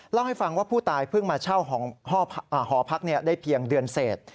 เล่าให้ฟังว่าผู้ตายเพิ่งมาเช่าหอพักได้เพียงเดือนเศษ